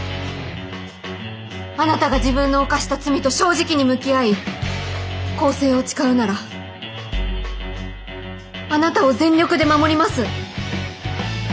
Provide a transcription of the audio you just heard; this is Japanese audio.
あなたが自分の犯した罪と正直に向き合い更生を誓うならあなたを全力で守ります。